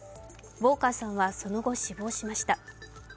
ウォーカーさんはその後、死亡しました。